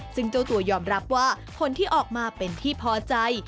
ซึ่งเจ้าตัวยอมรับว่าผลที่ออกมาเป็นที่พอใจ